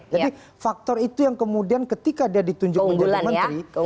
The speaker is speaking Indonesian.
jadi faktor itu yang kemudian ketika dia ditunjuk menjadi menteri